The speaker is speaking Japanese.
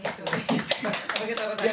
おめでとうございます。